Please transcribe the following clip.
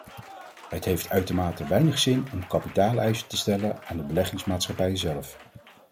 Het heeft uitermate weinig zin om kapitaaleisen te stellen aan de beleggingsmaatschappijen zelf.